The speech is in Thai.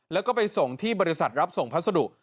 แล้วก็ไปส่งที่บริษัทรับส่งพัสดุ